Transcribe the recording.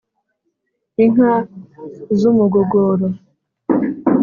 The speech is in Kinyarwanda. inka z’umugogoro